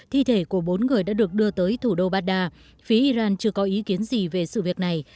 thi thể của bốn người đã được đưa tới thủ đô baghdad phía iran chưa có ý kiến gì về sự việc này